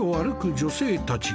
女性たち。